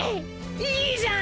いいじゃん！